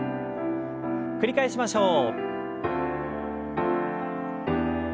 繰り返しましょう。